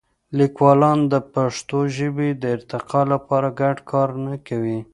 لیکوالان د پښتو ژبې د ارتقا لپاره ګډ کار نه کوي.